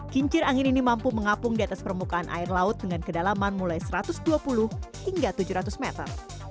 kincir angin ini mampu mengapung di atas permukaan air laut dengan kedalaman mulai satu ratus dua puluh hingga tujuh ratus meter